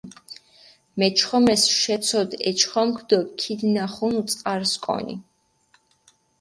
მეჩხომეს შეცოდჷ ე ჩხომქ დო ქიდნახუნუ წყარს კონი.